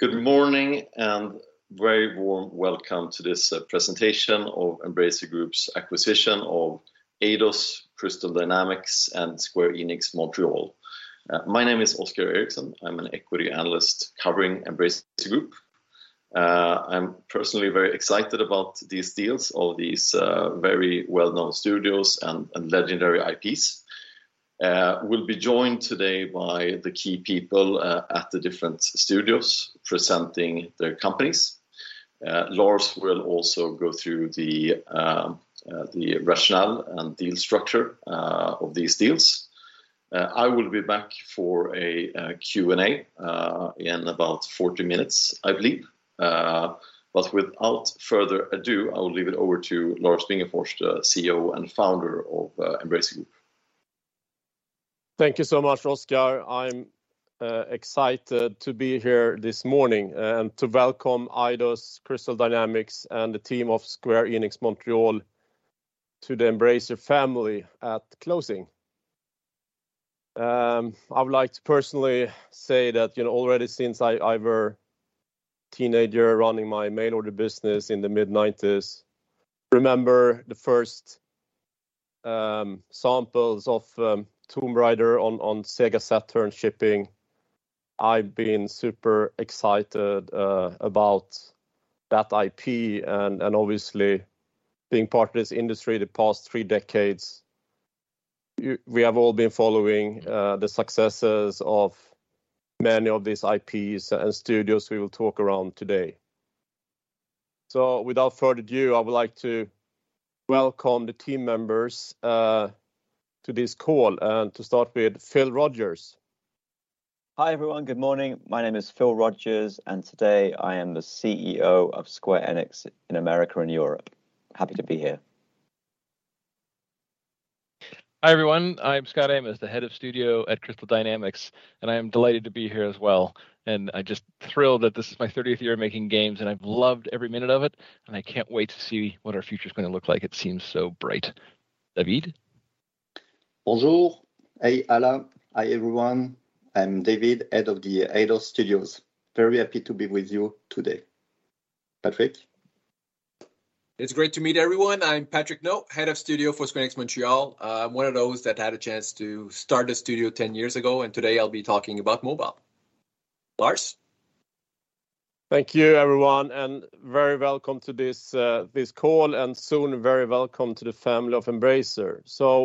Good morning and very warm welcome to this presentation of Embracer Group's acquisition of Eidos, Crystal Dynamics, and Square Enix Montréal. My name is Oscar Erixon. I'm an equity analyst covering Embracer Group. I'm personally very excited about these deals, all these very well-known studios and legendary IPs. We'll be joined today by the key people at the different studios presenting their companies. Lars will also go through the rationale and deal structure of these deals. I will be back for a Q&A in about 40 minutes, I believe. Without further ado, I will leave it over to Lars Wingefors, the CEO and founder of Embracer Group. Thank you so much, Oscar. I'm excited to be here this morning and to welcome Eidos, Crystal Dynamics, and the team of Square Enix Montréal to the Embracer family at closing. I would like to personally say that, you know, already since I were teenager running my mail order business in the mid-nineties, remember the first samples of Tomb Raider on Sega Saturn shipping. I've been super excited about that IP and obviously being part of this industry the past three decades. We have all been following the successes of many of these IPs and studios we will talk about today. Without further ado, I would like to welcome the team members to this call, and to start with Phil Rogers. Hi, everyone. Good morning. My name is Phil Rogers, and today I am the CEO of Square Enix America and Europe. Happy to be here. Hi, everyone, I'm Scot Amos, the Head of Studio at Crystal Dynamics, and I am delighted to be here as well. I'm just thrilled that this is my 30th year making games, and I've loved every minute of it, and I can't wait to see what our future's gonna look like. It seems so bright. David? Bonjour. Hey, all. Hi, everyone. I'm David, Head of the Eidos-Montréal studios. Very happy to be with you today. Patrick? It's great to meet everyone. I'm Patrick Naud, Head of Studio for Square Enix Montréal. I'm one of those that had a chance to start a studio 10 years ago, and today I'll be talking about mobile. Lars? Thank you, everyone, and very welcome to this this call, and soon very welcome to the family of Embracer.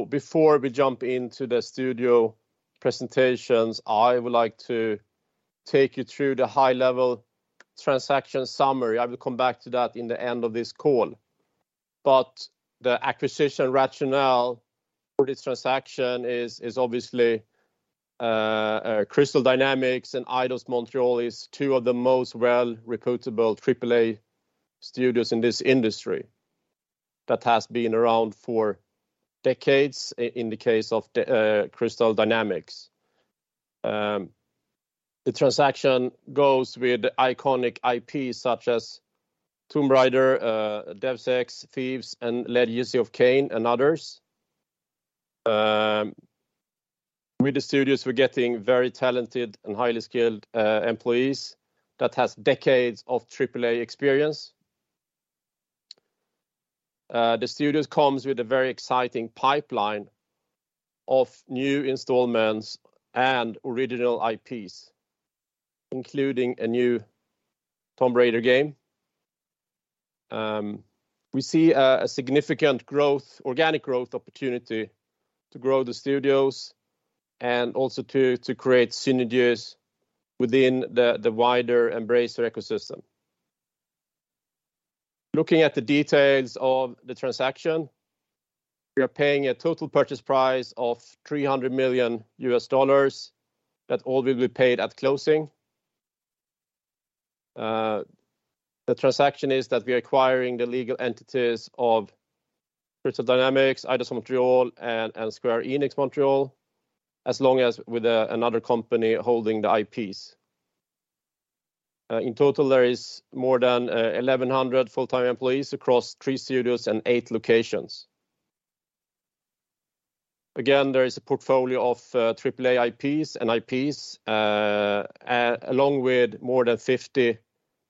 Before we jump into the studio presentations, I would like to take you through the high level transaction summary. I will come back to that in the end of this call. The acquisition rationale for this transaction is obviously, Crystal Dynamics and Eidos-Montréal is two of the most well-reputable AAA studios in this industry that has been around for decades in the case of the Crystal Dynamics. The transaction goes with iconic IP such as Tomb Raider, Deus Ex, Thief, and Legacy of Kain, and others. With the studios, we're getting very talented and highly skilled, employees that has decades of AAA experience. The studios come with a very exciting pipeline of new installments and original IPs, including a new Tomb Raider game. We see a significant growth, organic growth opportunity to grow the studios and also to create synergies within the wider Embracer ecosystem. Looking at the details of the transaction, we are paying a total purchase price of $300 million that all will be paid at closing. The transaction is that we are acquiring the legal entities of Crystal Dynamics, Eidos-Montréal, and Square Enix Montréal, along with another company holding the IPs. In total, there is more than 1,100 full-time employees across three studios and eight locations. Again, there is a portfolio of AAA IPs and IPs along with more than 50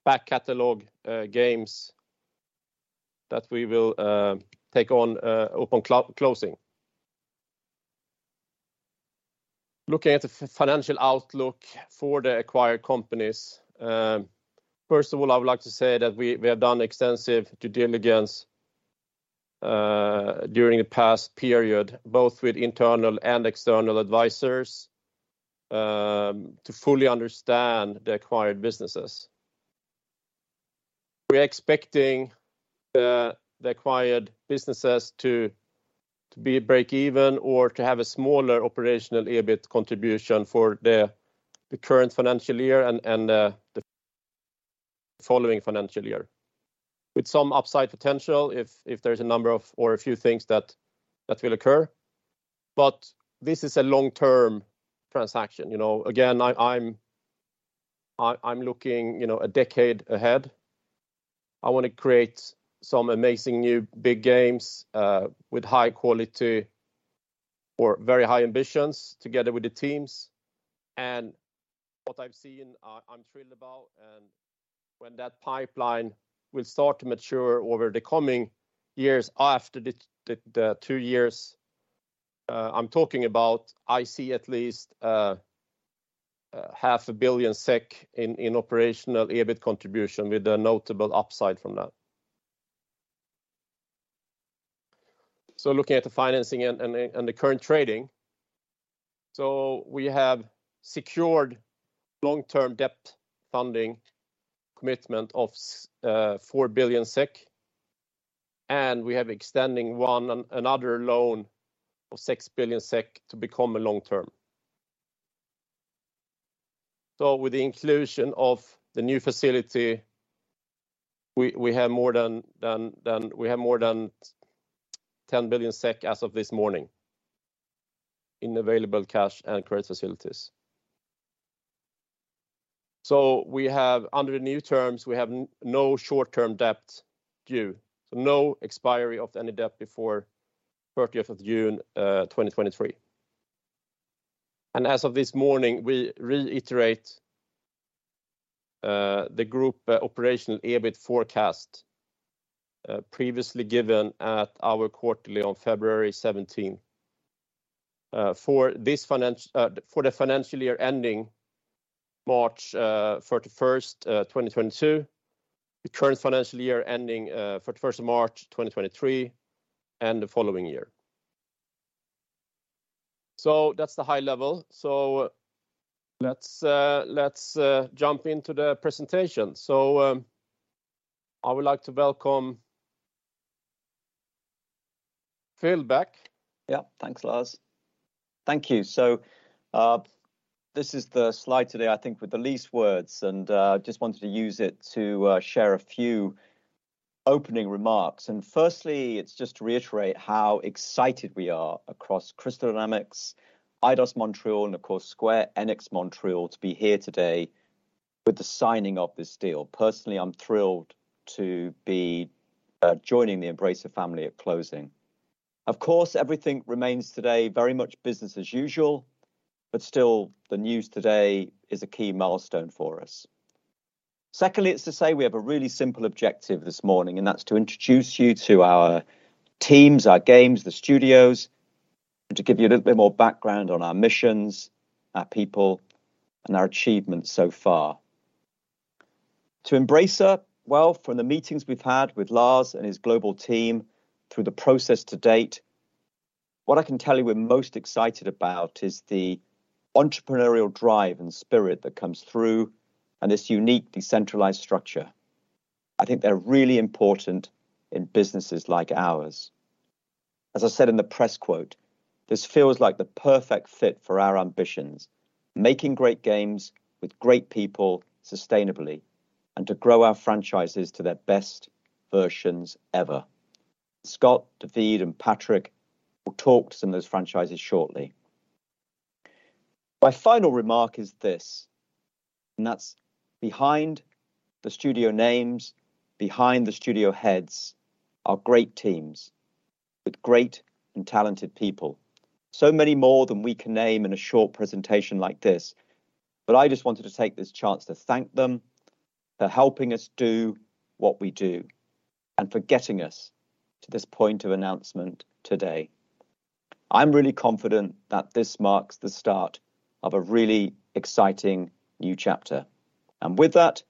back catalog games that we will take on upon closing. Looking at the financial outlook for the acquired companies, first of all, I would like to say that we have done extensive due diligence during the past period, both with internal and external advisors, to fully understand the acquired businesses. We're expecting the acquired businesses to be break-even or to have a smaller operational EBIT contribution for the current financial year and the following financial year with some upside potential if there's a number of or a few things that will occur. This is a long-term transaction, you know. Again, I'm looking, you know, a decade ahead. I wanna create some amazing new big games with high quality or very high ambitions together with the teams. What I've seen, I'm thrilled about and when that pipeline will start to mature over the coming years after the two years I'm talking about, I see at least half a billion SEK in operational EBIT contribution with a notable upside from that. Looking at the financing and the current trading. We have secured long-term debt funding commitment of 4 billion SEK and we have extending another loan of 6 billion SEK to become a long-term. With the inclusion of the new facility, we have more than 10 billion SEK as of this morning in available cash and credit facilities. We have under the new terms, we have no short-term debt due, so no expiry of any debt before 30th of June 2023. As of this morning, we reiterate the group operational EBIT forecast previously given at our quarterly on February 17. For the financial year ending March 31, 2022, the current financial year ending 31st of March 2023, and the following year. That's the high level. Let's jump into the presentation. I would like to welcome Phil back. Yeah. Thanks, Lars. Thank you. This is the slide today, I think with the least words, and just wanted to use it to share a few opening remarks. Firstly, it's just to reiterate how excited we are across Crystal Dynamics, Eidos-Montréal, and of course, Square Enix Montréal to be here today with the signing of this deal. Personally, I'm thrilled to be joining the Embracer family at closing. Of course, everything remains today very much business as usual, but still the news today is a key milestone for us. Secondly, it's to say we have a really simple objective this morning, and that's to introduce you to our teams, our games, the studios, and to give you a little bit more background on our missions, our people, and our achievements so far. To Embracer, well, from the meetings we've had with Lars and his global team through the process to date, what I can tell you we're most excited about is the entrepreneurial drive and spirit that comes through and this unique decentralized structure. I think they're really important in businesses like ours. As I said in the press quote, "This feels like the perfect fit for our ambitions, making great games with great people sustainably and to grow our franchises to their best versions ever." Scot, David, and Patrick will talk to some of those franchises shortly. My final remark is this, and that's behind the studio names, behind the studio heads are great teams with great and talented people. Many more than we can name in a short presentation like this, but I just wanted to take this chance to thank them for helping us do what we do and for getting us to this point of announcement today. I'm really confident that this marks the start of a really exciting new chapter. With that,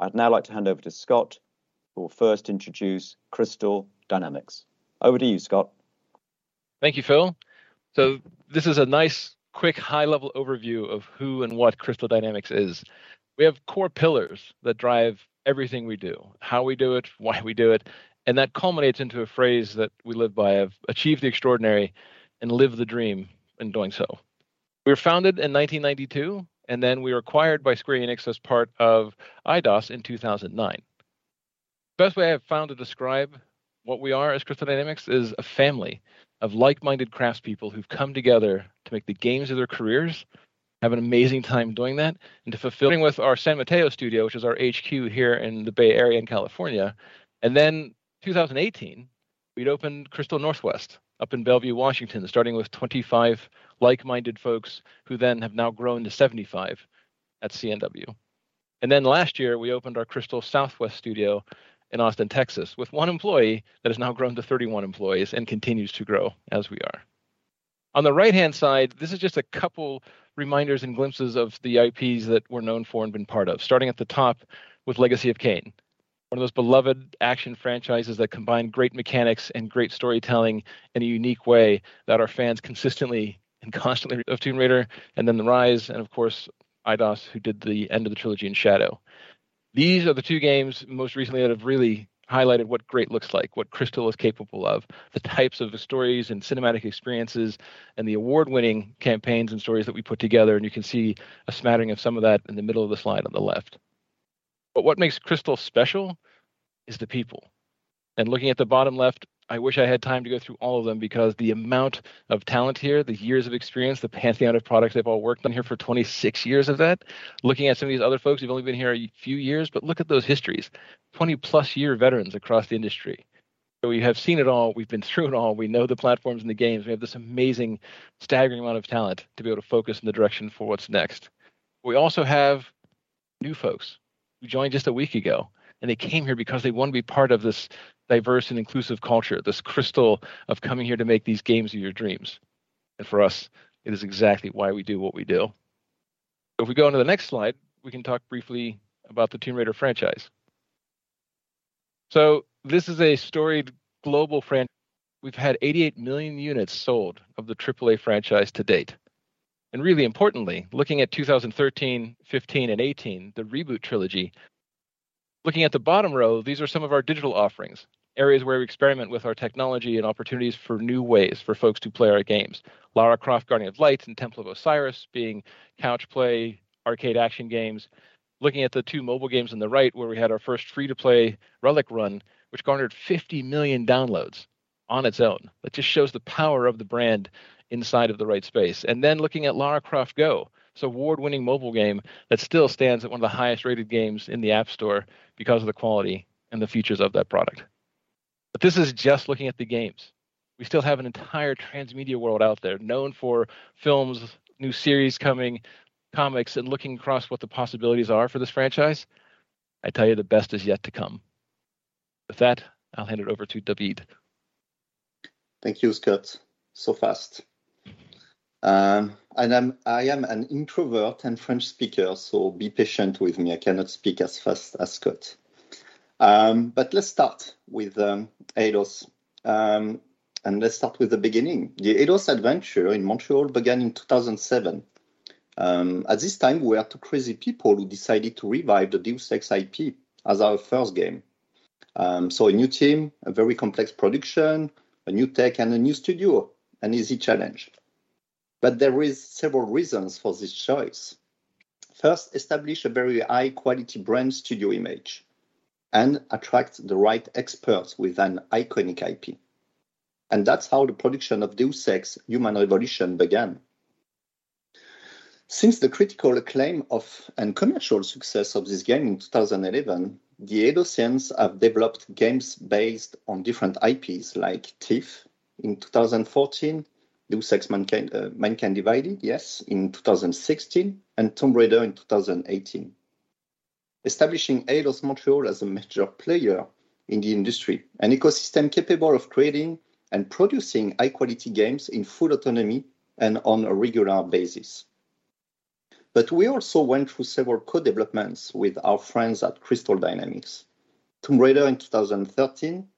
I'd now like to hand over to Scot, who will first introduce Crystal Dynamics. Over to you, Scot. Thank you, Phil. This is a nice quick high-level overview of who and what Crystal Dynamics is. We have core pillars that drive everything we do, how we do it, why we do it, and that culminates into a phrase that we live by of "Achieve the extraordinary and live the dream in doing so." We were founded in 1992, and then we were acquired by Square Enix as part of Eidos in 2009. Best way I have found to describe what we are as Crystal Dynamics is a family of like-minded craftspeople who've come together to make the games of their careers, have an amazing time doing that, and to fulfilling with our San Mateo studio, which is our HQ here in the Bay Area in California. Then 2018, we'd opened Crystal Northwest up in Bellevue, Washington, starting with 25 like-minded folks who then have now grown to 75 at CNW. Then last year, we opened our Crystal Southwest studio in Austin, Texas, with one employee that has now grown to 31 employees and continues to grow as we are. On the right-hand side, this is just a couple reminders and glimpses of the IPs that we're known for and been part of, starting at the top with Legacy of Kain. One of those beloved action franchises that combine great mechanics and great storytelling in a unique way that our fans consistently and constantly of Tomb Raider, and then the Rise of the Tomb Raider, and of course, Eidos-Montréal, who did the end of the trilogy in Shadow of the Tomb Raider. These are the two games most recently that have really highlighted what great looks like, what Crystal is capable of, the types of stories and cinematic experiences and the award-winning campaigns and stories that we put together, and you can see a smattering of some of that in the middle of the slide on the left. What makes Crystal special is the people. Looking at the bottom left, I wish I had time to go through all of them because the amount of talent here, the years of experience, the pantheon of products they've all worked on here for 26 years of that. Looking at some of these other folks who've only been here a few years, but look at those histories. 20+ year veterans across the industry. We have seen it all, we've been through it all, we know the platforms and the games. We have this amazing, staggering amount of talent to be able to focus in the direction for what's next. We also have new folks who joined just a week ago, and they came here because they want to be part of this diverse and inclusive culture, this Crystal of coming here to make these games of your dreams. For us, it is exactly why we do what we do. If we go onto the next slide, we can talk briefly about the Tomb Raider franchise. This is a storied global franchise. We've had 88 million units sold of the AAA franchise to date, and really importantly, looking at 2013, 2015, and 2018, the reboot trilogy. Looking at the bottom row, these are some of our digital offerings, areas where we experiment with our technology and opportunities for new ways for folks to play our games. Lara Croft and the Guardian of Light and Lara Croft and the Temple of Osiris being couch co-op, arcade action games. Looking at the two mobile games on the right where we had our first free-to-play Lara Croft: Relic Run, which garnered 50 million downloads on its own. That just shows the power of the brand inside of the right space. Looking at Lara Croft GO, it's award-winning mobile game that still stands at one of the highest rated games in the App Store because of the quality and the features of that product. This is just looking at the games. We still have an entire transmedia world out there, known for films, new series coming, comics. Looking across what the possibilities are for this franchise, I tell you, the best is yet to come. With that, I'll hand it over to David. Thank you, Scot. Fast. I am an introvert and French speaker, so be patient with me. I cannot speak as fast as Scot. Let's start with Eidos. Let's start with the beginning. The Eidos adventure in Montréal began in 2007. At this time, we are two crazy people who decided to revive the Deus Ex IP as our first game. A new team, a very complex production, a new tech, and a new studio. An easy challenge. There is several reasons for this choice. First, establish a very high quality brand studio image and attract the right experts with an iconic IP, and that's how the production of Deus Ex: Human Revolution began. Since the critical acclaim and commercial success of this game in 2011, the Eidos-Montréal team have developed games based on different IPs, like Thief in 2014, Deus Ex: Mankind Divided in 2016, and Shadow of the Tomb Raider in 2018, establishing Eidos-Montréal as a major player in the industry, an ecosystem capable of creating and producing high quality games in full autonomy and on a regular basis. We also went through several co-developments with our friends at Crystal Dynamics, Tomb Raider in 2013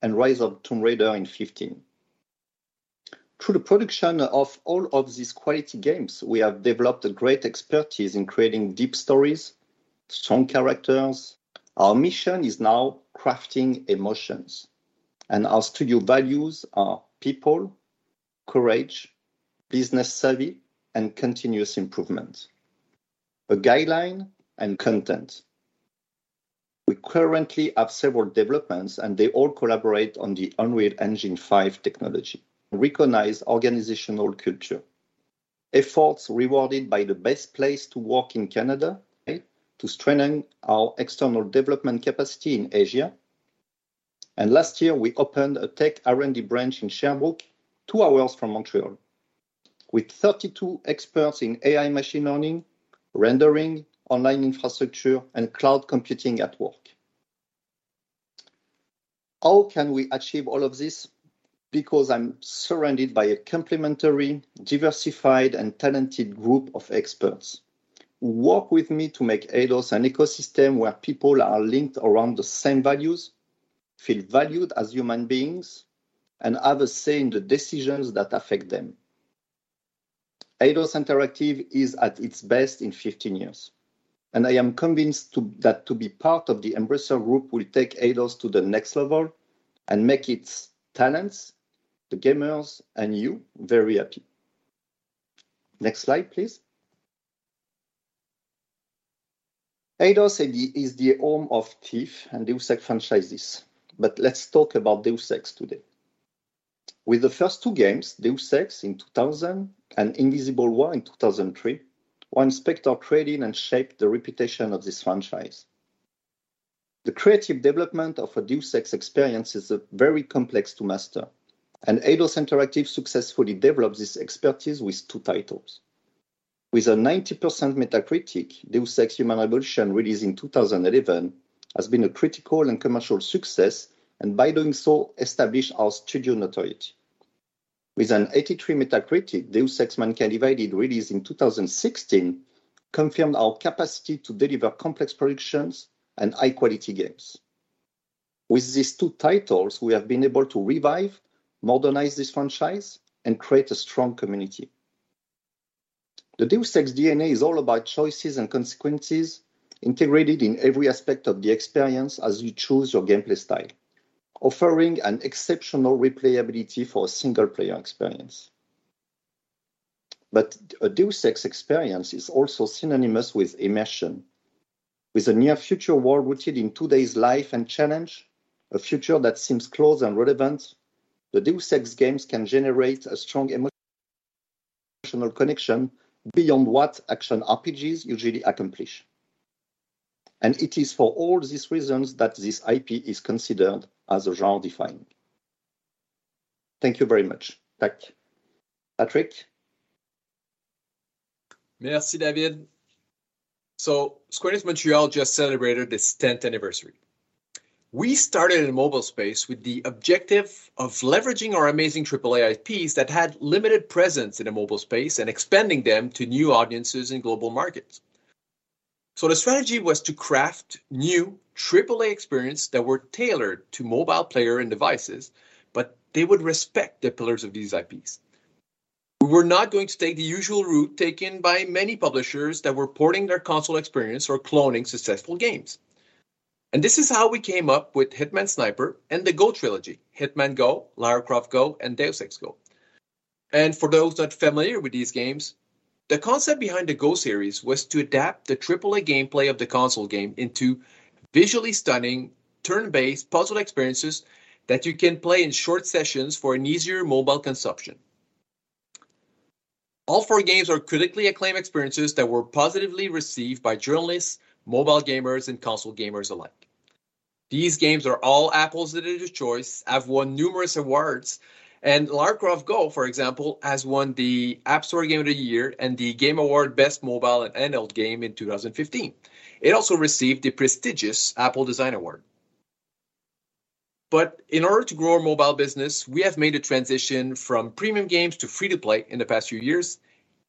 and Rise of the Tomb Raider in 2015. Through the production of all of these quality games, we have developed a great expertise in creating deep stories, strong characters. Our mission is now crafting emotions, and our studio values are people, courage, business savvy, and continuous improvement, a guideline, and content. We currently have several developments, and they all collaborate on the Unreal Engine 5 technology. Recognize organizational culture. Efforts rewarded by the Best Place to Work in Canada to strengthen our external development capacity in Asia, and last year, we opened a tech R&D branch in Sherbrooke, two hours from Montreal, with 32 experts in AI machine learning, rendering, online infrastructure, and cloud computing at work. How can we achieve all of this? Because I'm surrounded by a complementary, diversified, and talented group of experts who work with me to make Eidos an ecosystem where people are linked around the same values, feel valued as human beings, and have a say in the decisions that affect them. Eidos-Montréal is at its best in 15 years, and I am convinced that to be part of the Embracer Group will take Eidos-Montréal to the next level and make its talents, the gamers, and you very happy. Next slide, please. Eidos-Montréal is the home of Thief and Deus Ex franchises, but let's talk about Deus Ex today. With the first two games, Deus Ex in 2000 and Invisible War in 2003, Ion Storm created and shaped the reputation of this franchise. The creative development of a Deus Ex experience is very complex to master, and Eidos-Montréal successfully developed this expertise with two titles. With a 90% Metacritic, Deus Ex: Human Revolution, released in 2011, has been a critical and commercial success, and by doing so, established our studio notoriety. With an 83 Metacritic, Deus Ex: Mankind Divided, released in 2016, confirmed our capacity to deliver complex productions and high quality games. With these two titles, we have been able to revive, modernize this franchise, and create a strong community. The Deus Ex DNA is all about choices and consequences integrated in every aspect of the experience as you choose your gameplay style, offering an exceptional replayability for a single player experience. A Deus Ex experience is also synonymous with immersion. With a near future world rooted in today's life and challenge, a future that seems close and relevant, the Deus Ex games can generate a strong emotional connection beyond what action RPGs usually accomplish, and it is for all these reasons that this IP is considered as genre-defining. Thank you very much. Pack. Patrick. Merci, David. Square Enix Montréal just celebrated its tenth anniversary. We started in mobile space with the objective of leveraging our amazing triple-A IPs that had limited presence in the mobile space and expanding them to new audiences in global markets. The strategy was to craft new triple-A experience that were tailored to mobile player and devices, but they would respect the pillars of these IPs. We were not going to take the usual route taken by many publishers that were porting their console experience or cloning successful games, and this is how we came up with Hitman: Sniper and the GO trilogy, Hitman GO, Lara Croft GO, and Deus Ex GO. For those not familiar with these games, the concept behind the Go series was to adapt the AAA gameplay of the console game into visually stunning, turn-based puzzle experiences that you can play in short sessions for an easier mobile consumption. All four games are critically acclaimed experiences that were positively received by journalists, mobile gamers, and console gamers alike. These games are all Apple's Editor's Choice, have won numerous awards, and Lara Croft GO, for example, has won the App Store Game of the Year and The Game Awards Best Mobile and Handheld Game in 2015. It also received the prestigious Apple Design Awards. In order to grow our mobile business, we have made a transition from premium games to free-to-play in the past few years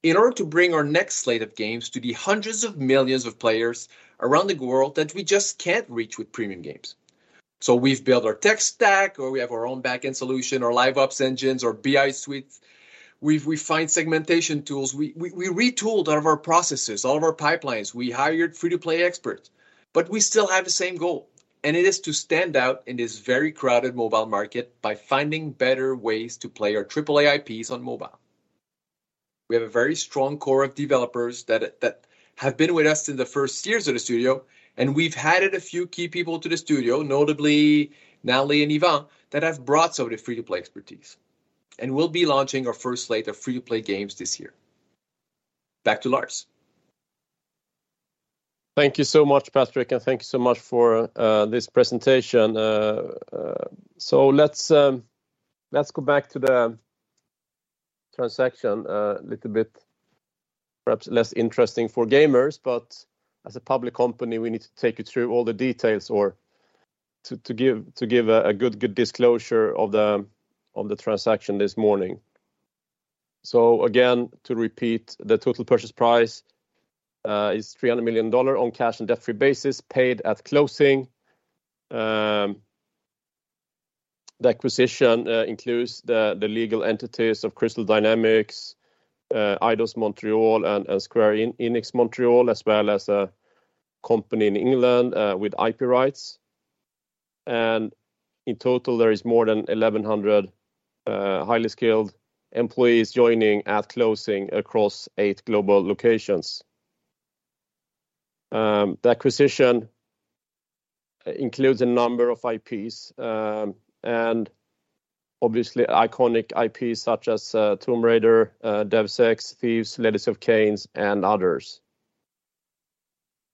in order to bring our next slate of games to the hundreds of millions of players around the world that we just can't reach with premium games. We've built our tech stack, or we have our own backend solution, our live ops engines, our BI suite. We've refined segmentation tools. We retooled all of our processes, all of our pipelines. We hired free-to-play experts, but we still have the same goal, and it is to stand out in this very crowded mobile market by finding better ways to play our triple-A IPs on mobile. We have a very strong core of developers that have been with us in the first years of the studio, and we've added a few key people to the studio, notably Nathalie and Ivan, that have brought some of the free-to-play expertise, and we'll be launching our first slate of free-to-play games this year. Back to Lars. Thank you so much, Patrick, and thank you so much for this presentation. Let's go back to the transaction a little bit. Perhaps less interesting for gamers, but as a public company, we need to take you through all the details or to give a good disclosure of the transaction this morning. Again, to repeat, the total purchase price is $300 million on cash and debt-free basis paid at closing. The acquisition includes the legal entities of Crystal Dynamics, Eidos-Montréal, and Square Enix Montréal, as well as a company in England with IP rights. In total, there is more than 1,100 highly skilled employees joining at closing across eight global locations. The acquisition includes a number of IPs, and obviously iconic IPs such as Tomb Raider, Deus Ex, Thief, Legacy of Kain, and others.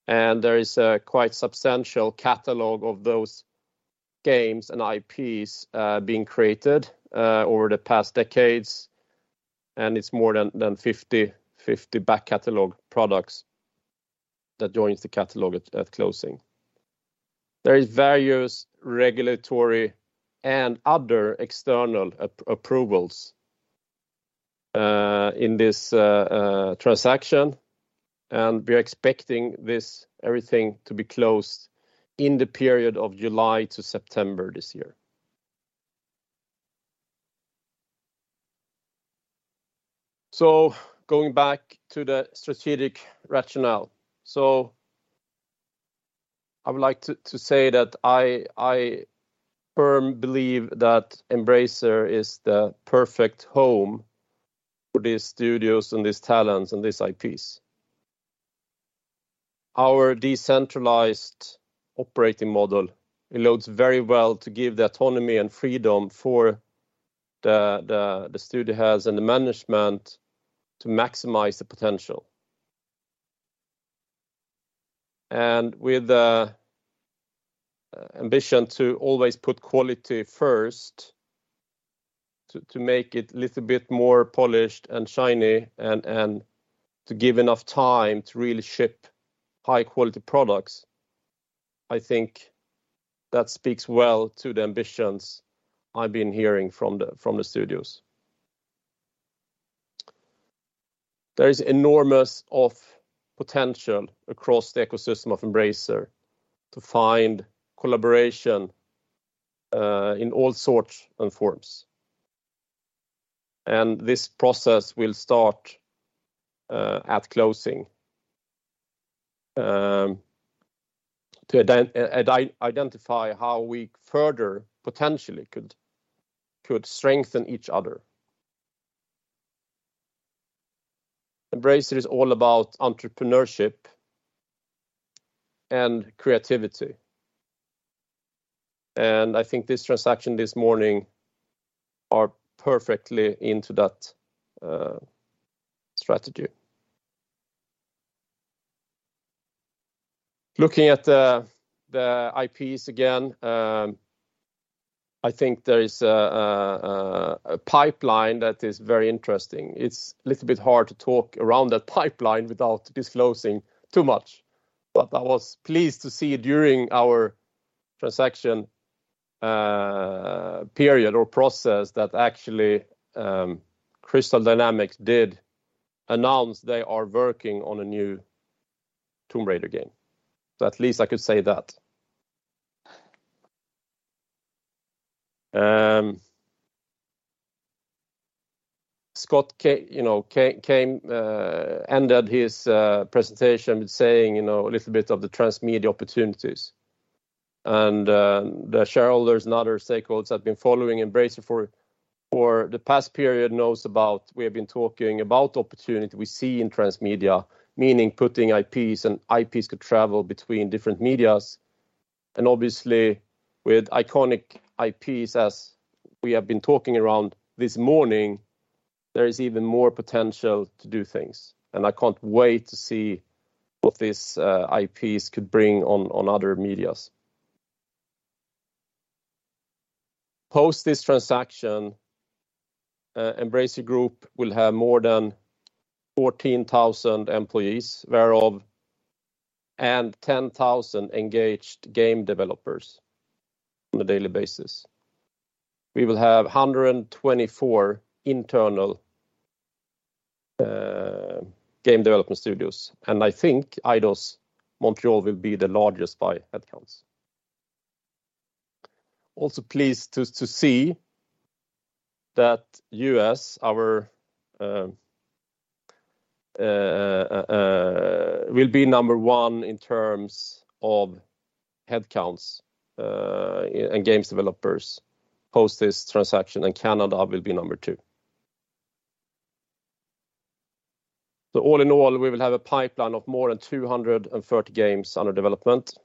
There is a quite substantial catalog of those games and IPs being created over the past decades, and it's more than 50 back catalog products that joins the catalog at closing. There is various regulatory and other external approvals in this transaction, and we're expecting everything to be closed in the period of July to September this year. Going back to the strategic rationale, I would like to say that I firmly believe that Embracer is the perfect home for these studios and these talents and these IPs. Our decentralized operating model allows very well to give the autonomy and freedom for the studios and the management to maximize the potential, and with the ambition to always put quality first to make it little bit more polished and shiny and to give enough time to really ship high-quality products. I think that speaks well to the ambitions I've been hearing from the studios. There is enormous potential across the ecosystem of Embracer to find collaboration in all sorts and forms, and this process will start at closing to identify how we further potentially could strengthen each other. Embracer is all about entrepreneurship and creativity. I think this transaction this morning are perfectly into that strategy. Looking at the IPs again, I think there is a pipeline that is very interesting. It's a little bit hard to talk around that pipeline without disclosing too much. I was pleased to see during our transaction period or process that actually, Crystal Dynamics did announce they are working on a new Tomb Raider game. At least I could say that. Scot, you know, came and ended his presentation with saying, you know, a little bit of the transmedia opportunities, and the shareholders and other stakeholders have been following Embracer for the past period know about the opportunity we see in transmedia, meaning putting IPs, and IPs could travel between different media and obviously with iconic IPs as we have been talking around this morning, there is even more potential to do things, and I can't wait to see what these IPs could bring on other media. Post this transaction, Embracer Group will have more than 14,000 employees, whereof 10,000 engaged game developers on a daily basis. We will have 124 internal game development studios, and I think Eidos-Montréal will be the largest by headcount. Pleased to see that our U.S. will be number one in terms of headcounts and games developers post this transaction, and Canada will be number two. All in all, we will have a pipeline of more than 230 games under development,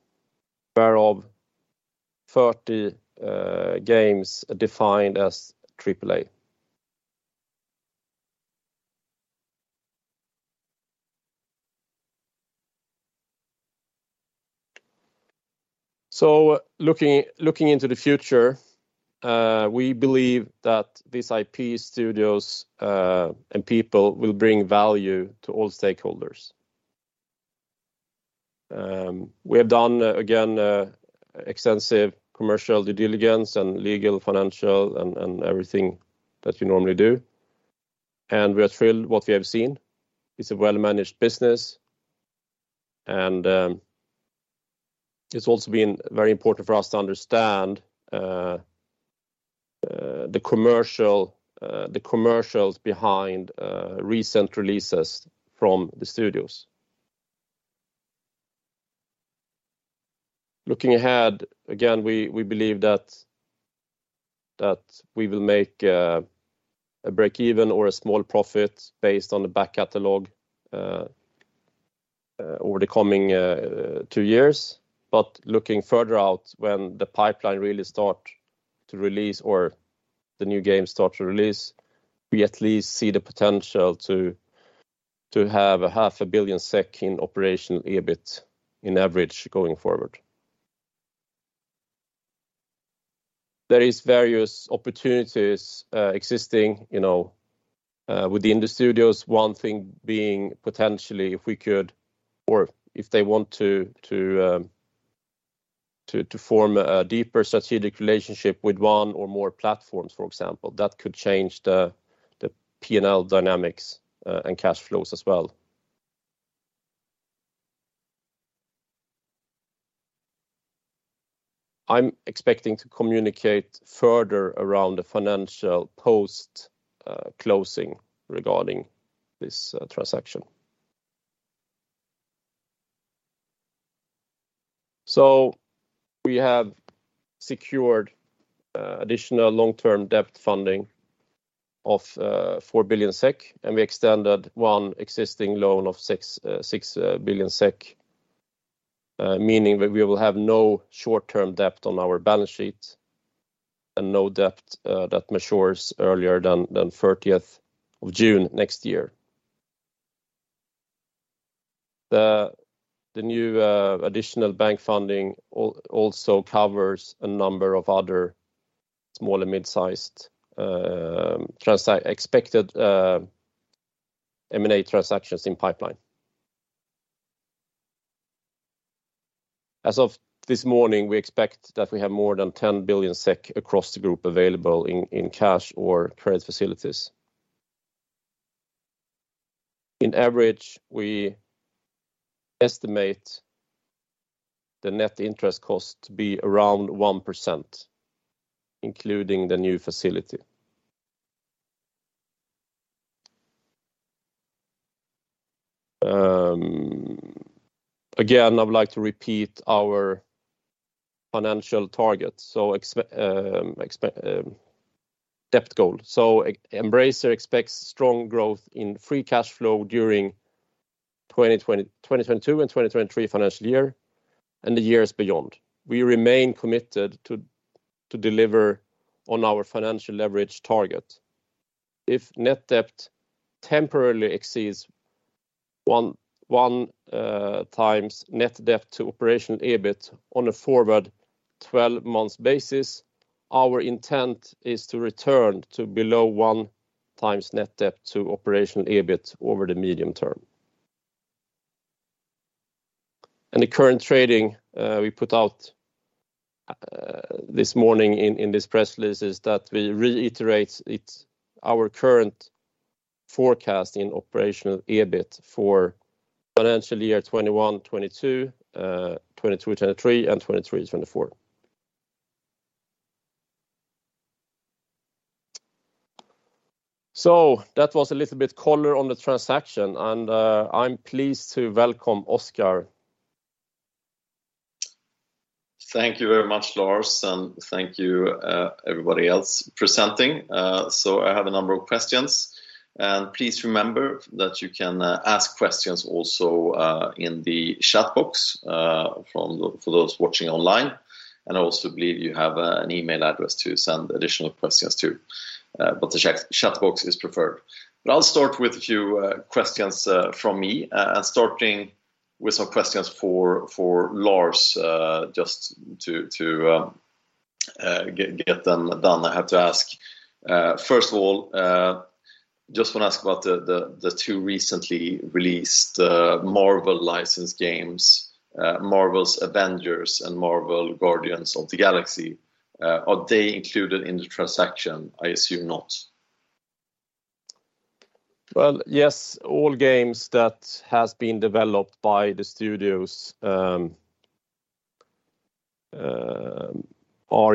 whereof 30 games are defined as AAA. Looking into the future, we believe that these IP studios and people will bring value to all stakeholders. We have done again extensive commercial due diligence and legal, financial and everything that you normally do, and we are thrilled what we have seen. It's a well-managed business, and it's also been very important for us to understand the commercials behind recent releases from the studios. Looking ahead, again, we believe that we will make a break-even or a small profit based on the back catalog over the coming two years. Looking further out, when the pipeline really start to release or the new games start to release, we at least see the potential to have half a billion SEK in operational EBIT on average going forward. There is various opportunities existing, you know, within the studios. One thing being potentially if we could or if they want to form a deeper strategic relationship with one or more platforms, for example, that could change the P&L dynamics and cash flows as well. I'm expecting to communicate further around the financial post-closing regarding this transaction. We have secured additional long-term debt funding of 4 billion SEK, and we extended one existing loan of 6 billion SEK, meaning that we will have no short-term debt on our balance sheet and no debt that matures earlier than 30th of June next year. The new additional bank funding also covers a number of other small and mid-sized expected M&A transactions in pipeline. As of this morning, we expect that we have more than 10 billion SEK across the group available in cash or credit facilities. On average, we estimate the net interest cost to be around 1%, including the new facility. Again, I'd like to repeat our financial targets. Debt goal. Embracer expects strong growth in free cash flow during 2020, 2022 and 2023 financial year and the years beyond. We remain committed to deliver on our financial leverage target. If net debt temporarily exceeds one times net debt to operational EBIT on a forward 12-month basis, our intent is to return to below one times net debt to operational EBIT over the medium term. The current trading we put out this morning in this press release is that we reiterate it's our current forecast for operational EBIT for financial year 2021, 2022, 2023 and 2024. That was a little bit color on the transaction, and I'm pleased to welcome Oscar. Thank you very much, Lars, and thank you, everybody else presenting. I have a number of questions. Please remember that you can ask questions also in the chat box for those watching online, and I also believe you have an email address to send additional questions too. The chat box is preferred. I'll start with a few questions from me and starting with some questions for Lars just to get them done. I have to ask first of all just wanna ask about the two recently released Marvel licensed games, Marvel's Avengers and Marvel's Guardians of the Galaxy. Are they included in the transaction? I assume not. Well, yes, all games that has been developed by the studios are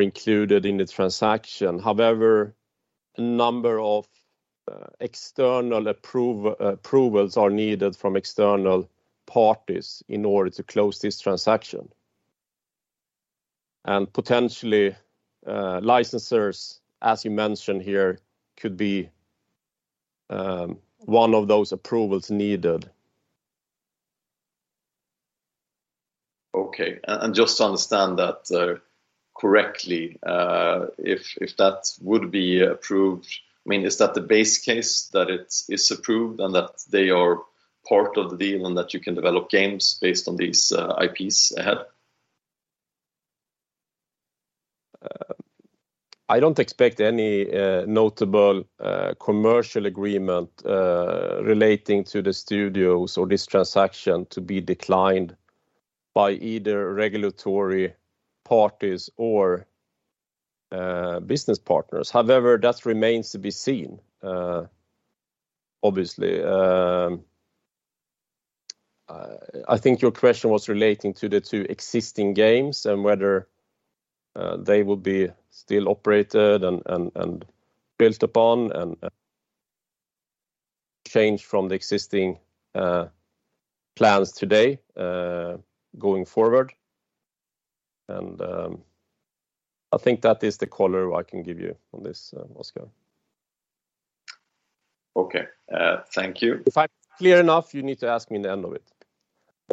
included in the transaction. However, a number of external approvals are needed from external parties in order to close this transaction. Potentially, licensors, as you mentioned here, could be one of those approvals needed. Okay. Just to understand that correctly, if that would be approved, I mean, is that the base case that it's approved, and that they are part of the deal and that you can develop games based on these IPs ahead? I don't expect any notable commercial agreement relating to the studios or this transaction to be declined by either regulatory parties or business partners. However, that remains to be seen, obviously. I think your question was relating to the two existing games and whether they will still be operated and built upon and change from the existing plans today going forward. I think that is the color I can give you on this, Oscar. Okay. Thank you. If I'm not clear enough, you need to ask me in the end of it.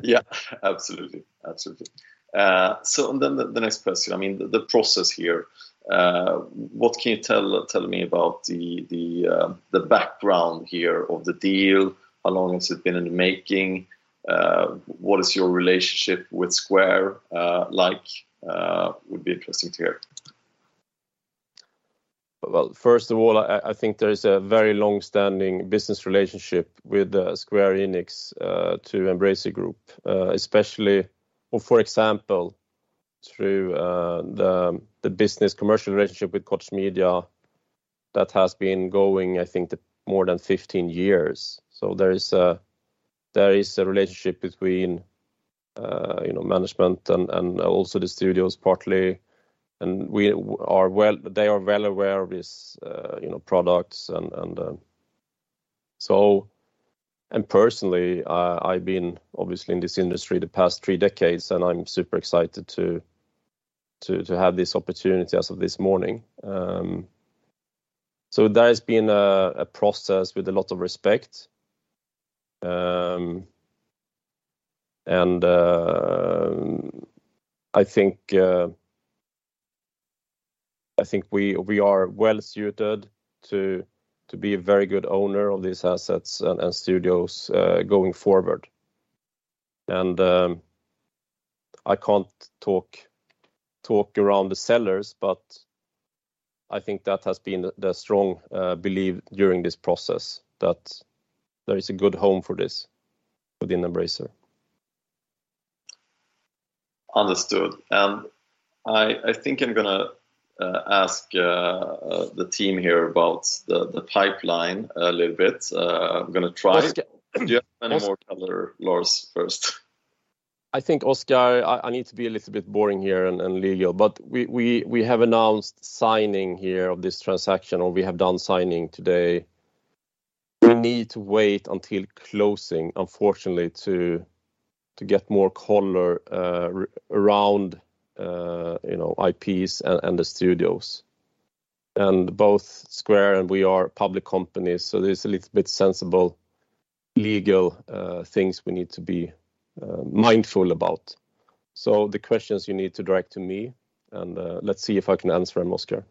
Yeah. Absolutely. The next question, I mean, the process here, what can you tell me about the background here of the deal? How long has it been in the making? What is your relationship with Square, like? Would be interesting to hear. Well, first of all, I think there is a very long-standing business relationship with Square Enix to Embracer Group, especially or for example, through the business commercial relationship with Koch Media that has been going, I think, more than 15 years. There is a relationship between, you know, management and also the studios partly, and they are well aware of this, you know, products and, so and personally, I've been obviously in this industry the past three decades, and I'm super excited to have this opportunity as of this morning. There's been a process with a lot of respect, and I think we are well suited to be a very good owner of these assets and studios going forward. I can't talk around the sellers, but I think that has been the strong belief during this process that there is a good home for this within Embracer. Understood. I think I'm gonna ask the team here about the pipeline a little bit. Oscar- Do you have any more color, Lars, first? I think, Oscar, I need to be a little bit boring here and Lilja, but we have announced signing here of this transaction, or we have done signing today. We need to wait until closing, unfortunately, to get more color around you know IPs and the studios. Both Square and we are public companies, so there's a little bit sensitive legal things we need to be mindful about. The questions you need to direct to me, let's see if I can answer them, Oscar.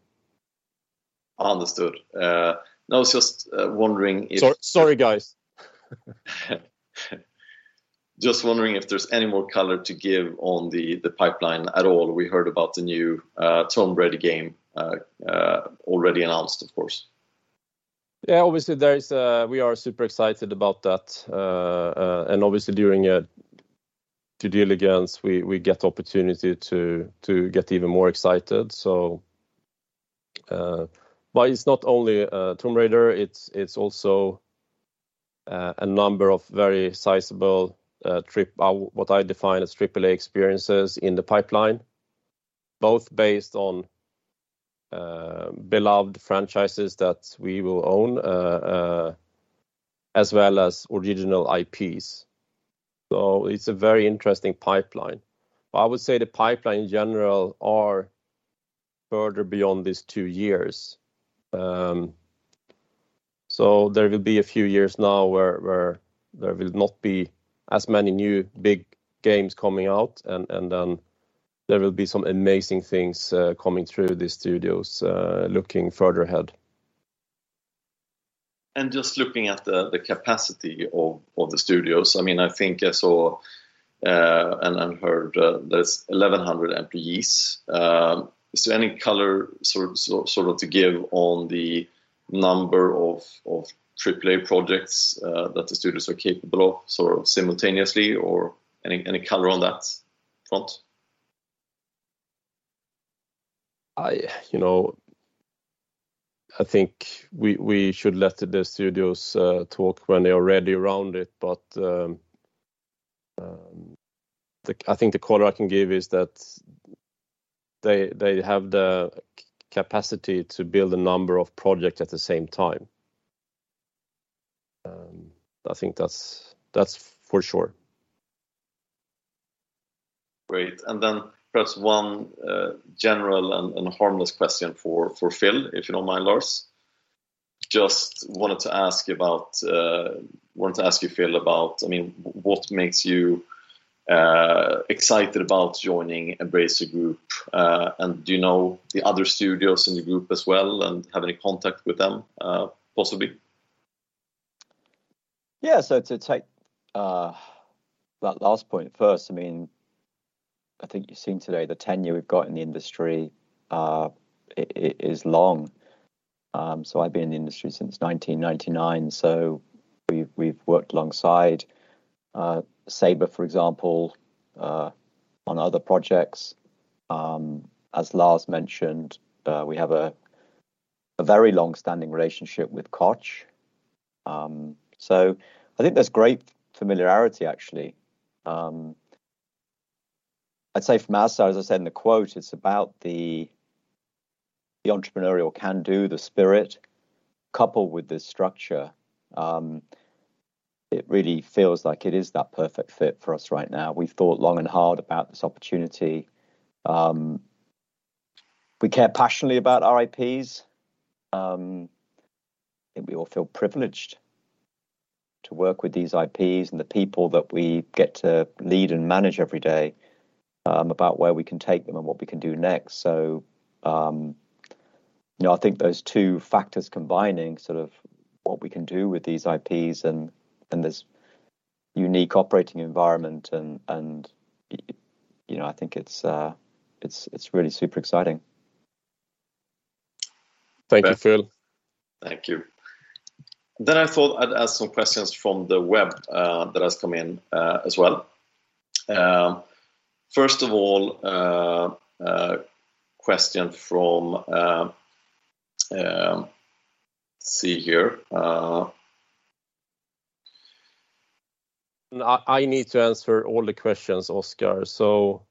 Understood. I was just wondering if. Sorry, guys. Just wondering if there's any more color to give on the pipeline at all. We heard about the new Tomb Raider game already announced, of course. Yeah, obviously, there is. We are super excited about that. Obviously during the due diligence, we get opportunity to get even more excited. It's not only Tomb Raider, it's also a number of very sizable what I define as AAA experiences in the pipeline, both based on beloved franchises that we will own as well as original IPs. It's a very interesting pipeline. I would say the pipeline in general are further beyond these two years. There will be a few years now where there will not be as many new big games coming out and then there will be some amazing things coming through the studios looking further ahead. Just looking at the capacity of the studios, I mean, I think I saw and heard there's 1,100 employees. Is there any color sort of to give on the number of AAA projects that the studios are capable of sort of simultaneously or any color on that front? You know, I think we should let the studios talk when they are ready around it, but I think the color I can give is that they have the capacity to build a number of projects at the same time. I think that's for sure. Great. Then perhaps one general and harmless question for Phil, if you don't mind, Lars. Just wanted to ask you, Phil, about, I mean, what makes you excited about joining Embracer Group? Do you know the other studios in the group as well and have any contact with them, possibly? Yeah. To take that last point first, I mean, I think you've seen today the tenure we've got in the industry, is long. I've been in the industry since 1999, so we've worked alongside Saber, for example, on other projects. As Lars mentioned, we have a very long-standing relationship with Koch. I think there's great familiarity actually. I'd say from our side, as I said in the quote, it's about the entrepreneurial can-do, the spirit, coupled with this structure. It really feels like it is that perfect fit for us right now. We've thought long and hard about this opportunity. We care passionately about our IPs. I think we all feel privileged to work with these IPs and the people that we get to lead and manage every day, about where we can take them and what we can do next. You know, I think those two factors combining sort of what we can do with these IPs and this unique operating environment and you know, I think it's really super exciting. Thank you, Phil. Thank you. I thought I'd ask some questions from the web that has come in as well. First of all, question from, let's see here. I need to answer all the questions, Oscar, so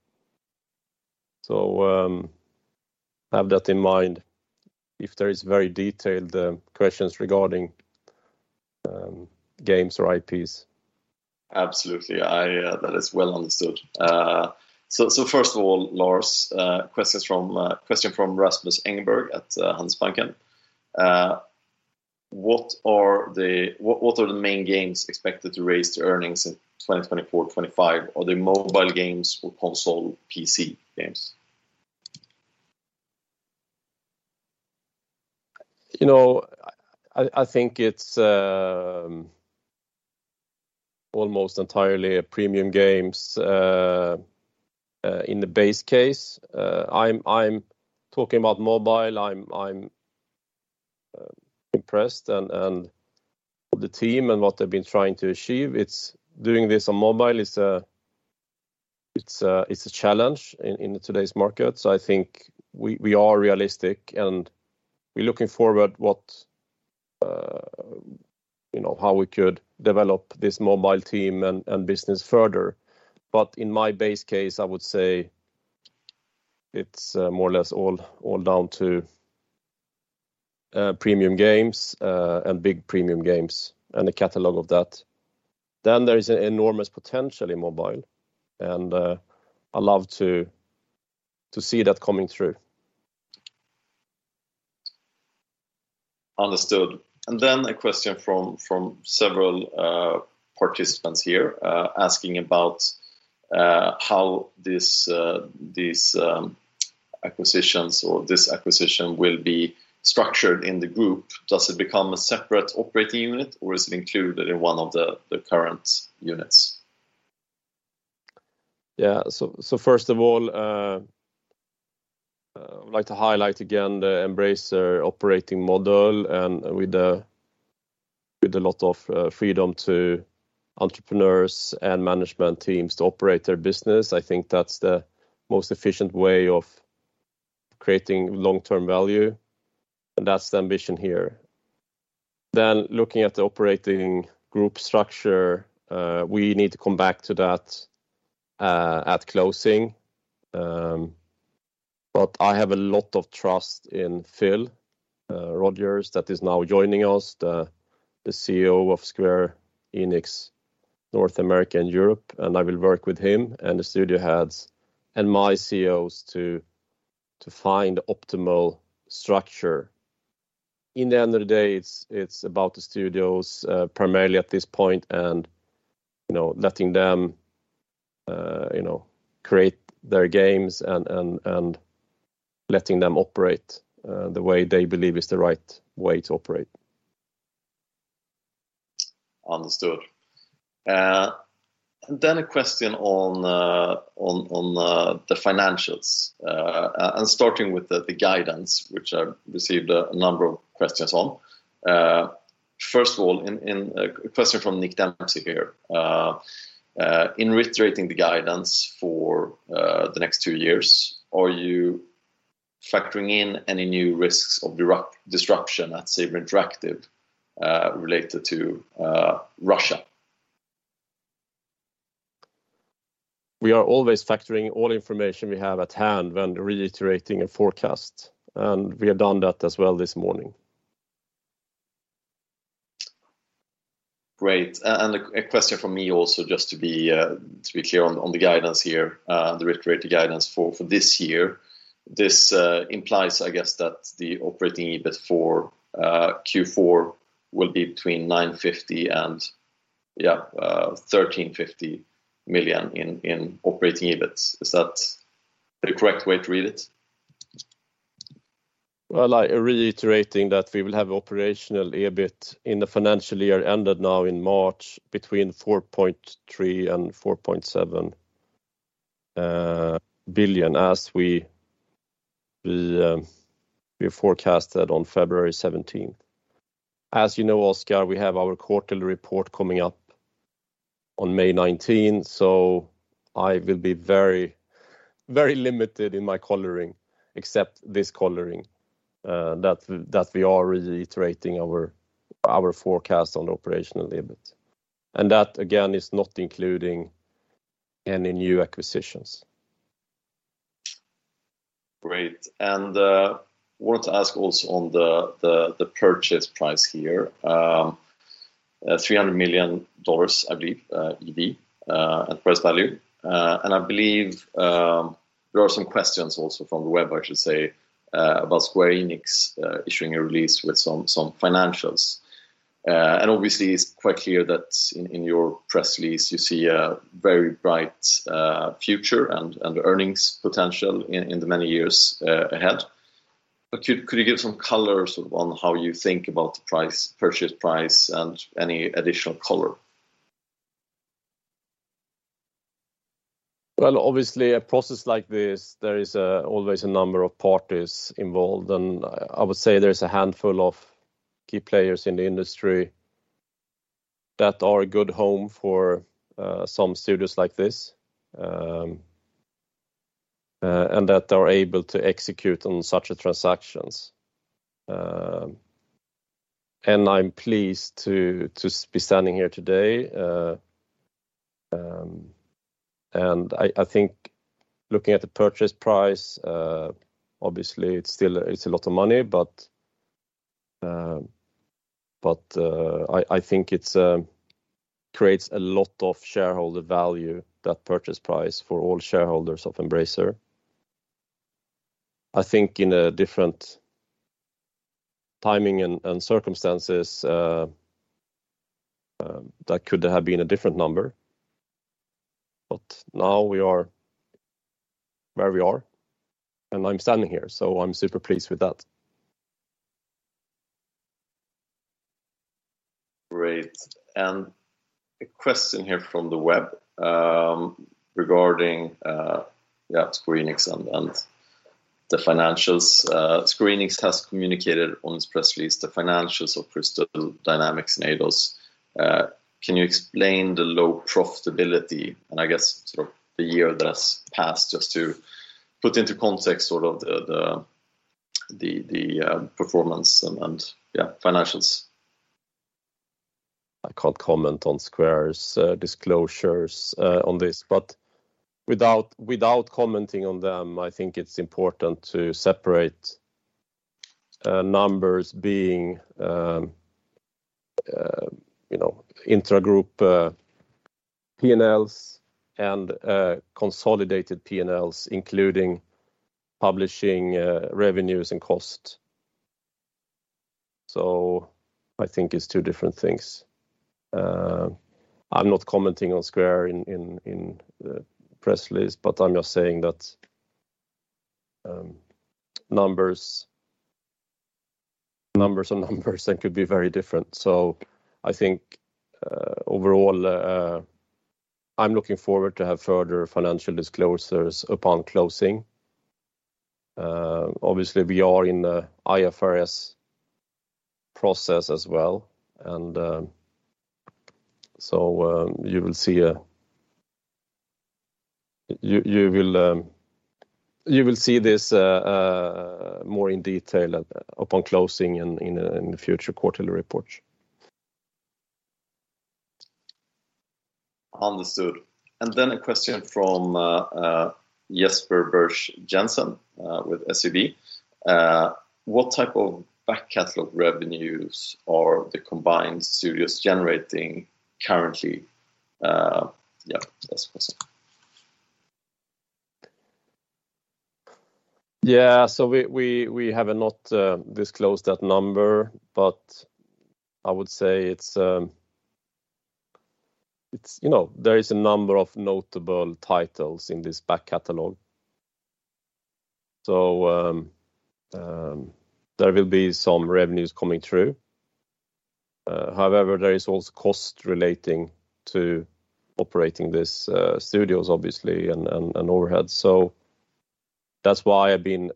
have that in mind if there is very detailed questions regarding games or IPs. Absolutely. That is well understood. First of all, Lars, question from Rasmus Engberg at Handelsbanken. What are the main games expected to raise the earnings in 2024, 2025? Are they mobile games or console PC games? You know, I think it's almost entirely premium games in the base case. I'm talking about mobile. I'm impressed and the team and what they've been trying to achieve. It's doing this on mobile is a challenge in today's market. I think we are realistic, and we're looking forward what you know how we could develop this mobile team and business further. In my base case, I would say it's more or less all down to premium games and big premium games, and the catalog of that. There is an enormous potential in mobile, and I love to see that coming through. Understood. A question from several participants here asking about how this acquisition will be structured in the group. Does it become a separate operating unit, or is it included in one of the current units? First of all, I'd like to highlight again the Embracer operating model and with a lot of freedom to entrepreneurs and management teams to operate their business. I think that's the most efficient way of creating long-term value, and that's the ambition here. Looking at the operating group structure, we need to come back to that at closing. I have a lot of trust in Phil Rogers that is now joining us, the CEO of Square Enix of America and Europe, and I will work with him and the studio heads and my CEOs to find optimal structure. In the end of the day, it's about the studios primarily at this point and, you know, letting them, you know, create their games and letting them operate the way they believe is the right way to operate. Understood. A question on the financials and starting with the guidance, which I received a number of questions on. First of all, a question from Nick Dempsey here. In reiterating the guidance for the next two years, are you factoring in any new risks of disruption at Saber Interactive related to Russia? We are always factoring all information we have at hand when reiterating a forecast, and we have done that as well this morning. Great. A question from me also just to be clear on the guidance here, the reiterated guidance for this year. This implies, I guess, that the operating EBIT for Q4 will be between 950 million and 1,350 million in operating EBIT. Is that the correct way to read it? Well, I'm reiterating that we will have operational EBIT in the financial year ended now in March between 4.3 billion and 4.7 billion as we forecasted on February 17th. As you know, Oscar, we have our quarterly report coming up on May 19th, so I will be very, very limited in my coloring except this coloring that we are reiterating our forecast on operational EBIT. That again is not including any new acquisitions. Great. Wanted to ask also on the purchase price here. $300 million, I believe, EV at present value. I believe there are some questions also from the web, I should say, about Square Enix issuing a release with some financials. Obviously it's quite clear that in your press release you see a very bright future and earnings potential in the many years ahead. Could you give some color sort of on how you think about the purchase price, and any additional color? Well, obviously a process like this, there is always a number of parties involved, and I would say there's a handful of key players in the industry that are a good home for some studios like this, and that are able to execute on such transactions. I'm pleased to be standing here today. I think looking at the purchase price, obviously it's still a lot of money, but I think it creates a lot of shareholder value, that purchase price, for all shareholders of Embracer. I think in a different timing and circumstances, that could have been a different number. Now we are where we are, and I'm standing here, so I'm super pleased with that. Great. A question here from the web, regarding Square Enix and the financials. Square Enix has communicated in its press release the financials of Crystal Dynamics and Eidos. Can you explain the low profitability and I guess sort of the year that has passed just to put into context the performance and financials? I can't comment on Square's disclosures on this. Without commenting on them, I think it's important to separate numbers being, you know, intra-group P&Ls and consolidated P&Ls, including publishing revenues and cost. I think it's two different things. I'm not commenting on Square in the press release, but I'm just saying that numbers are numbers and could be very different. I think overall I'm looking forward to have further financial disclosures upon closing. Obviously we are in the IFRS process as well. You will see this more in detail upon closing in the future quarterly report. Understood. Then a question from Jesper Birch-Jensen with SEB. What type of back catalog revenues are the combined studios generating currently? Yeah, that's possible. We have not disclosed that number, but I would say it's, you know, there is a number of notable titles in this back catalog. There will be some revenues coming through. However, there is also cost relating to operating these studios obviously and overhead. That's why I've been,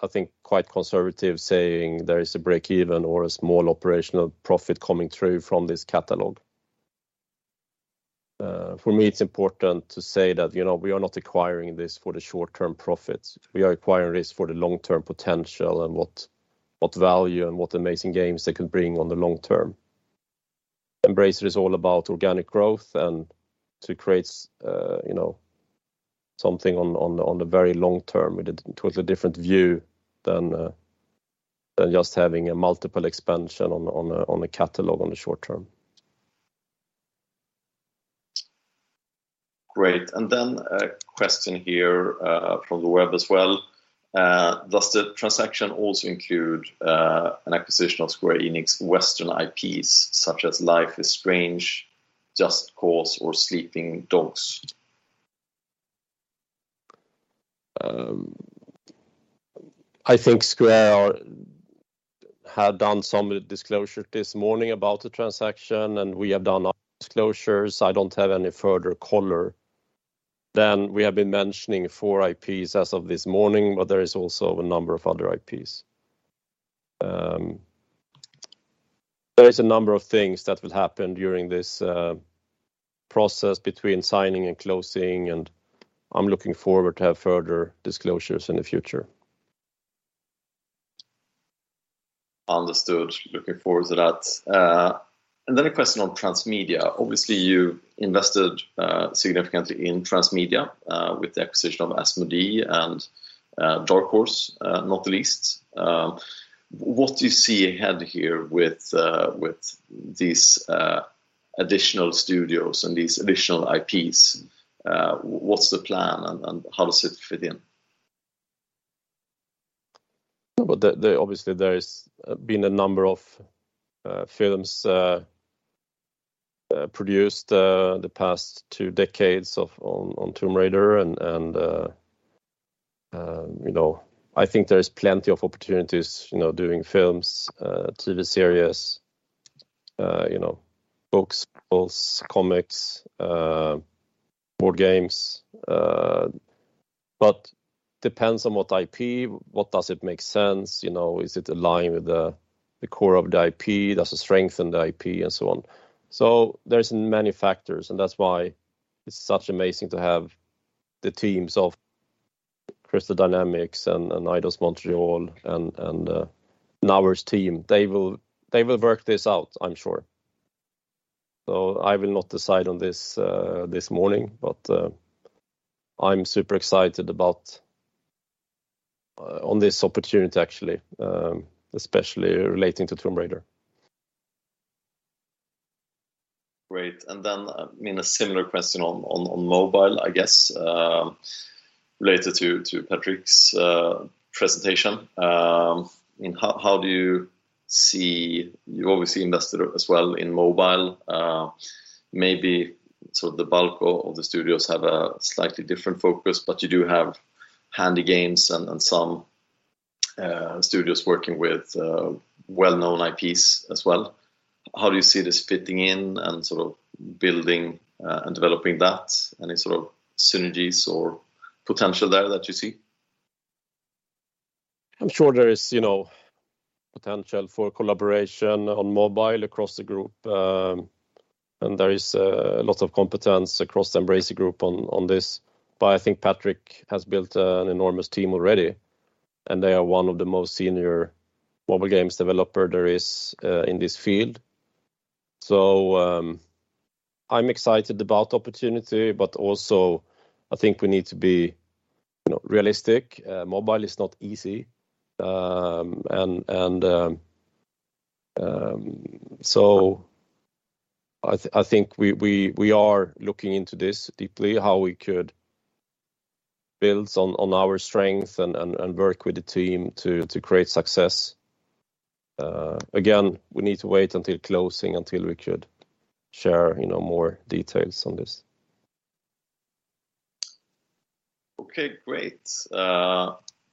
I think, quite conservative saying there is a breakeven or a small operational profit coming through from this catalog. For me, it's important to say that, you know, we are not acquiring this for the short-term profits. We are acquiring this for the long-term potential and what value and what amazing games they can bring on the long term. Embracer is all about organic growth and to create, you know, something on the very long term with a totally different view than just having a multiple expansion on a catalog on the short term. Great. Then a question here from the web as well. Does the transaction also include an acquisition of Square Enix Western IPs, such as Life is Strange, Just Cause, or Sleeping Dogs? I think Square had done some disclosure this morning about the transaction, and we have done our disclosures. I don't have any further color than we have been mentioning four IPs as of this morning, but there is also a number of other IPs. There is a number of things that will happen during this process between signing and closing, and I'm looking forward to have further disclosures in the future. Understood. Looking forward to that. A question on transmedia. Obviously, you invested significantly in transmedia with the acquisition of Asmodee and Dark Horse, not the least. What do you see ahead here with these additional studios and these additional IPs? What's the plan and how does it fit in? Obviously there has been a number of films produced the past two decades on Tomb Raider and you know, I think there is plenty of opportunities, you know, doing films, TV series, you know, books, plus, comics, board games. But depends on what IP, what does it make sense, you know? Is it aligned with the core of the IP, does it strengthen the IP, and so on. There's many factors, and that's why it's such amazing to have the teams of Crystal Dynamics and Eidos-Montréal and Naud's team. They will work this out, I'm sure. I will not decide on this this morning, but I'm super excited about on this opportunity actually, especially relating to Tomb Raider. Great. I mean, a similar question on mobile, I guess, related to Patrick's presentation. How do you see? You obviously invested as well in mobile. Maybe sort of the bulk of the studios have a slightly different focus, but you do have HandyGames and some studios working with well-known IPs as well. How do you see this fitting in and sort of building and developing that? Any sort of synergies or potential there that you see? I'm sure there is, you know, potential for collaboration on mobile across the group. There is a lot of competence across the Embracer Group on this. But I think Patrick has built an enormous team already, and they are one of the most senior mobile games developer there is in this field. I'm excited about opportunity, but also I think we need to be, you know, realistic. Mobile is not easy. I think we are looking into this deeply, how we could build on our strength and work with the team to create success. Again, we need to wait until closing until we could share, you know, more details on this. Okay, great.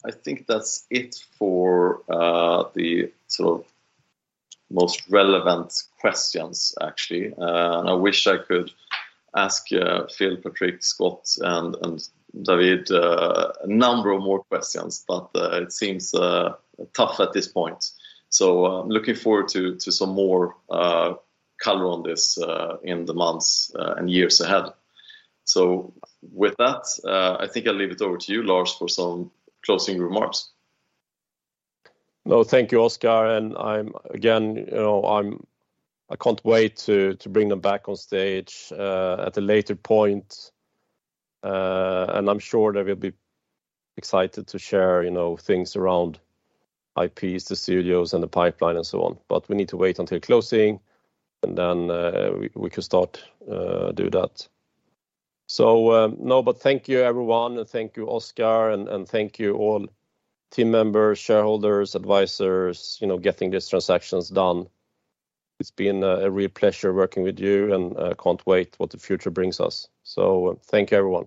I think that's it for the sort of most relevant questions, actually. I wish I could ask Phil, Patrick, Scot, and David a number of more questions, but it seems tough at this point. Looking forward to some more color on this in the months and years ahead. With that, I think I'll leave it over to you, Lars, for some closing remarks. No, thank you, Oscar. I'm, again, you know, I can't wait to bring them back on stage at a later point. I'm sure they will be excited to share, you know, things around IPs, the studios, and the pipeline and so on. We need to wait until closing, and then we can start do that. No, but thank you everyone, and thank you, Oscar, and thank you all team members, shareholders, advisors, you know, getting these transactions done. It's been a real pleasure working with you, and I can't wait what the future brings us. Thank you, everyone.